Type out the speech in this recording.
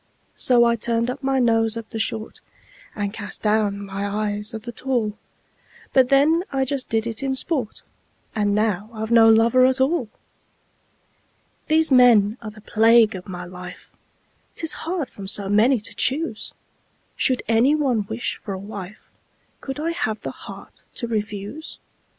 So I turned up my nose at the short, And cast down my eyes at the tall; But then I just did it in sport And now I've no lover at all! These men are the plague of my life: 'Tis hard from so many to choose! Should any one wish for a wife, Could I have the heart to refuse?